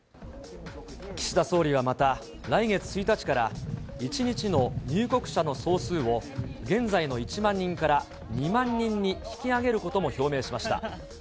岸田総理はまた、来月１日から、１日の入国者の総数を、現在の１万人から２万人に引き上げることも表明しました。